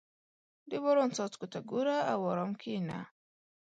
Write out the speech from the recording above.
• د باران څاڅکو ته ګوره او ارام کښېنه.